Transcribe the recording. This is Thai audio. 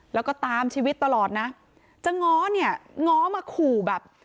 แล้วก็ตามชีวิตตลอดนะจะง้อเนี่ยง้อมาขู่แบบ